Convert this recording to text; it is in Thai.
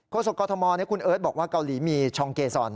โคศกกอธมมนต์คุณเอิร์ทบอกว่าเกาหลีมีช่องเกษ่น